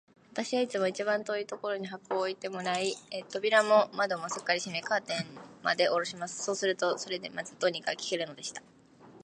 私はいつも一番遠いところに箱を置いてもらい、扉も窓もすっかり閉め、カーテンまでおろします。そうすると、それでまず、どうにか聞けるのでした。